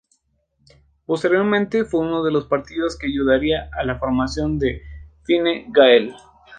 Posteriormente fue uno de los partidos que ayudaría a la formación del Fine Gael.